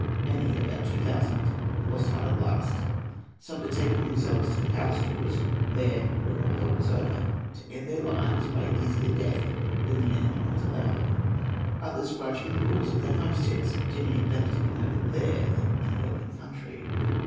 Many—about two thousand—lost heart at last; some betaking themselves to the powder stores, there, when all hope was over, to end their lives by easier death than the enemy might allow them; others, crouching in corners of their homesteads, deeming it better to be murdered there than in the open country.